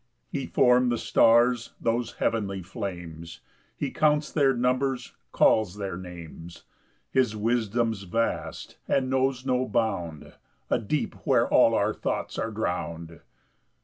3 He form'd the stars, those heavenly flames, He counts their numbers, calls their names: His wisdom's vast, and knows no bound, A deep where all our thoughts are drown'd.